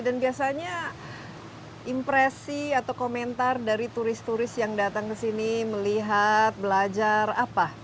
dan biasanya impresi atau komentar dari turis turis yang datang ke sini melihat belajar apa